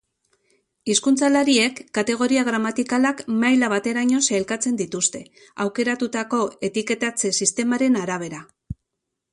Hizkuntzalariek kategoria gramatikalak maila bateraino sailkatzen dituzte, aukeratutako etiketatze-sistemaren arabera.